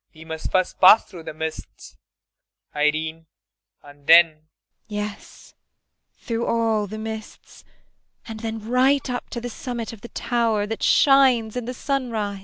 ] We must first pass through the mists, Irene, and then IRENE. Yes, through all the mists, and then right up to the summit of the tower that shines in the sunrise.